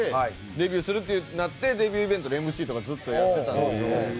デビューするってなってデビューイベントのＭＣとかずっとやってたんですよね。